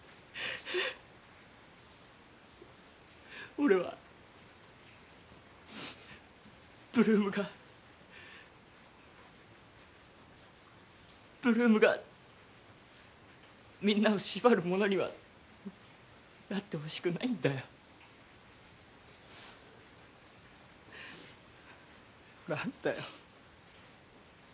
俺は８ＬＯＯＭが８ＬＯＯＭがみんなを縛るものにはなってほしくないんだよ何だよ